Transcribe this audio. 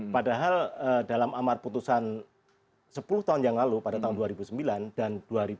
padahal dalam amar putusan sepuluh tahun yang lalu pada tahun dua ribu sembilan dan dua ribu empat belas